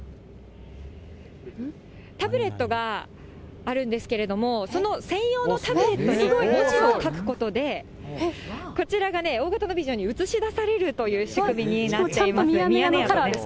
タブレットがあるんですけれども、その専用のタブレットに文字を書くことで、こちらが大型のビジョンに映し出されるという仕組みになっていまちゃんとミヤネ屋カラーです